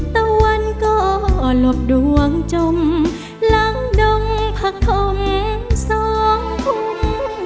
ตะวันก็หลบดวงจมหลังดงผักคมสองคุม